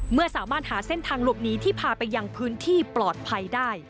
เมื่อสามารถหาเส้นทางหลบหนีที่พาไปยังพื้นที่ปลอดภัยได้